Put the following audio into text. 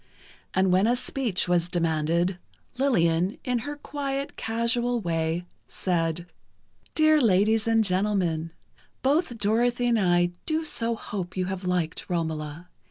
And when a speech was demanded, Lillian, in her quiet, casual way, said: "Dear ladies and gentlemen, both Dorothy and I do so hope you have liked 'Romola.